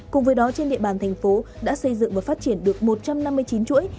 cùng với đó trên địa bàn thành phố đã xây dựng và phát triển được một trăm năm mươi chín chuỗi